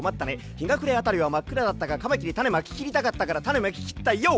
ひがくれあたりはまっくらだったがカマキリたねまききりたかったからタネまききったＹＯ！」